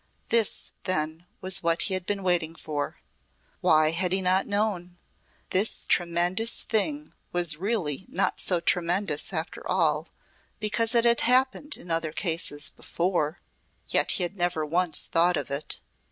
This, then, was what he had been waiting for. Why had he not known? This tremendous thing was really not so tremendous after all because it had happened in other cases before Yet he had never once thought of it.